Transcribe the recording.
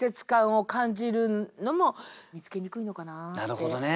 なるほどね。